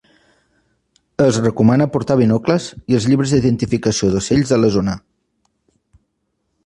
Es recomana portar binocles i els llibres d'identificació d'ocells de la zona.